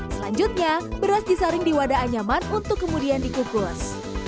selanjutnya beras disaring di wadah anyaman untuk kemudian dikukus